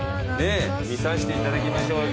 見さしていただきましょう。